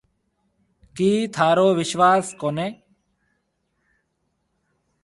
ڪِي ٿارو وشواس ڪونَي۔